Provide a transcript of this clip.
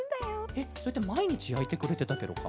えっそれってまいにちやいてくれてたケロか？